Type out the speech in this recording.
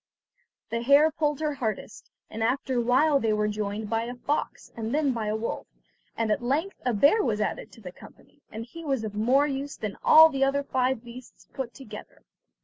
The hare pulled her hardest, and after a while they were joined by a fox, and then by a wolf, and at length a bear was added to the company, and he was of more use than all the other five beasts put together.